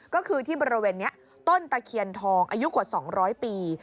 ก็คือที่บริเวณนี้ต้นตะเคียนทองอายุกว่า๒๐๐ปี